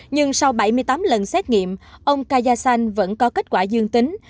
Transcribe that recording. nhưng sau bảy mươi tám lần xét nghiệm ông kayasan vẫn có kết quả dương tính